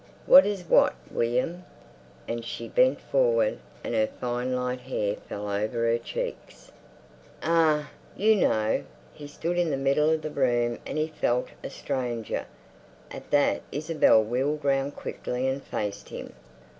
"What is what, William?" And she bent forward, and her fine light hair fell over her cheeks. "Ah, you know!" He stood in the middle of the room and he felt a stranger. At that Isabel wheeled round quickly and faced him.